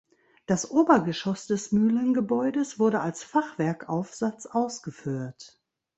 Das Obergeschoss des Mühlengebäudes wurde als Fachwerkaufsatz ausgeführt.